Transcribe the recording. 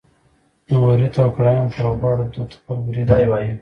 د وریتو او کړایانو پر غوړ دود خپل برېت تاووي.